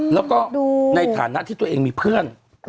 แล้วก็ในฐานะที่ตัวเองมีเพื่อน